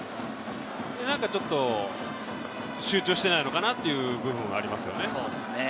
なんかちょっと集中していないのかなっていう部分がありますよね。